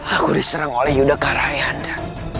aku diserang oleh yudhakara ayahanda